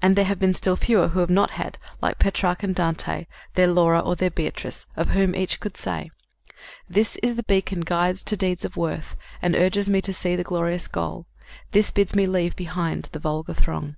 And there have been still fewer who have not had, like Petrarch and Dante, their Laura or their Beatrice of whom each could say: "This is the beacon guides to deeds of worth, And urges me to see the glorious goal: This bids me leave behind the vulgar throng."